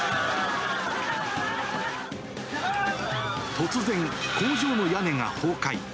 突然、工場の屋根が崩壊。